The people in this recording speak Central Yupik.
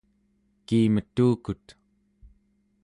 kiimetukut